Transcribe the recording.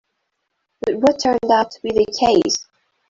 But what turned out to be the case?